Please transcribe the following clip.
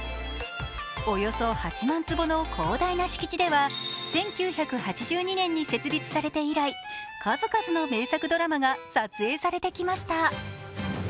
およそ８万坪の広大な敷地では１９８２年に設立されて以来、数々の名作ドラマが撮影されてきました。